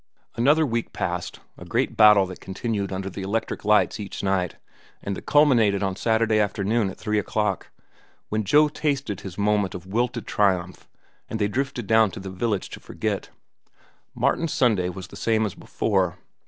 Another week passed, a great battle that continued under the electric lights each night and that culminated on Saturday afternoon at three o'clock, when Joe tasted his moment of wilted triumph and then drifted down to the village to forget. Martin's Sunday was the same as before.